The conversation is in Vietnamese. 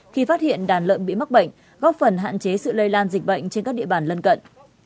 khi phát hiện đàn lợn bị mắc bệnh góp phần hạn chế sự lây lan dịch bệnh trên các địa bàn lân cận